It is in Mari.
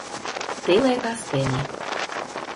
ТЕЛЕ КАСТЕНЕ